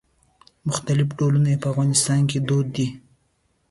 مختلف ډولونه یې په افغانستان کې دود دي.